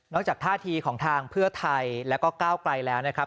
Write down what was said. จากท่าทีของทางเพื่อไทยแล้วก็ก้าวไกลแล้วนะครับ